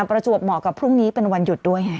ประจวบเหมาะกับพรุ่งนี้เป็นวันหยุดด้วยไง